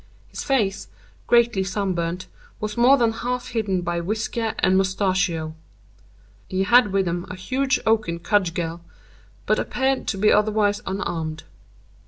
His face, greatly sunburnt, was more than half hidden by whisker and mustachio. He had with him a huge oaken cudgel, but appeared to be otherwise unarmed.